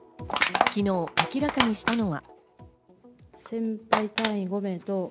昨日、明らかにしたのは。